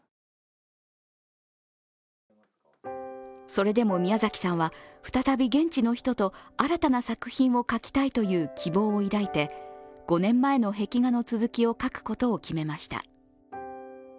それでもミヤザキさんは再び現地の人と新たな作品を描きたいという希望を抱いて５年前の壁画の続きを描くことを決めました。